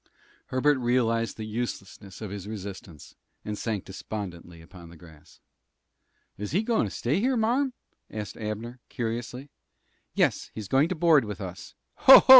Herbert realized the uselessness of his resistance, and sank despondently upon the grass. "Is he goin' to stay here, marm?" asked Abner, curiously. "Yes; he's goin' to board with us." "Ho, ho!"